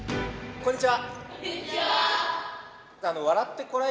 こんにちは。